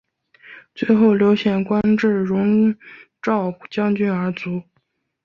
最后刘显官至戎昭将军而卒。